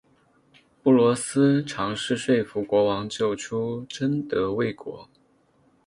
布罗斯尝试说服国王救出贞德未果。